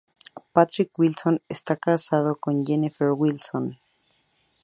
Patrick Wilson está casado con Jennifer Wilson.